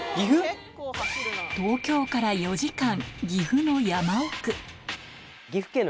東京から４時間岐阜の山奥